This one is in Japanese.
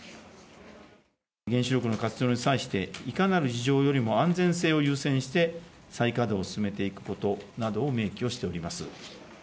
原子力の活用に際して、いかなる事情よりも安全性を優先して、再稼働を進めていくことなどを明記をしております。